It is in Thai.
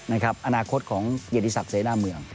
อาณาคตของเย็นดีศัพท์เศรษฐ์หน้าเมือง